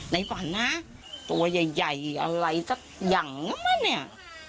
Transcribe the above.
ในฝันนะตัวใหญ่อะไรสักอย่างนะมั้งเนี่ย